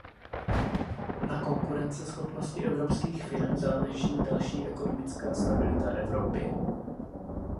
Na konkurenceschopnosti evropských firem záleží další ekonomická stabilita Evropy.